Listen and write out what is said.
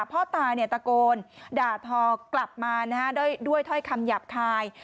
พ่อตาตะโกนด่าทอกลับมาด้วยถ้อยคำหยาบคาย